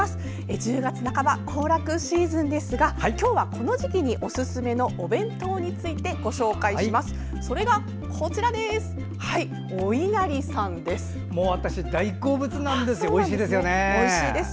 １０月半ば、行楽シーズンですが今日はこの時期におすすめのお弁当についてご紹介します。